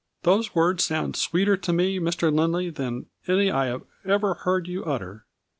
" Those words sound sweeter to me, Mr. Lindley, than any I ever heard you utter.